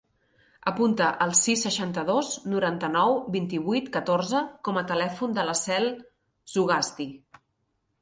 Apunta el sis, seixanta-dos, noranta-nou, vint-i-vuit, catorze com a telèfon de la Cel Zugasti.